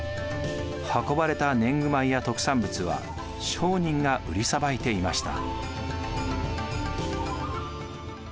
運ばれた年貢米や特産物は商人が売りさばいていました。